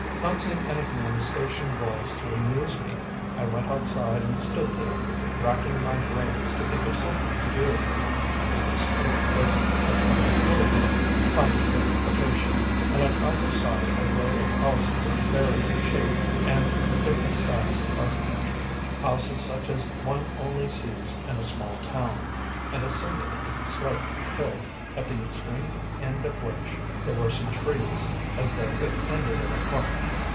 Not seeing anything on the station walls to amuse me, I went outside and stood there racking my brains to think of something to do. The street was a kind of boulevard, planted with acacias, and on either side a row of houses of varying shape and different styles of architecture, houses such as one only sees in a small town, and ascended a slight hill, at the extreme end of which there were some trees, as though it ended in a park.